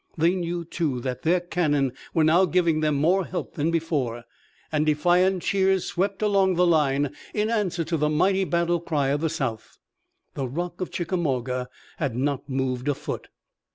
They knew, too, that their cannon were now giving them more help than before, and defiant cheers swept along the line in answer to the mighty battle cry of the South. The Rock of Chickamauga had not moved a foot.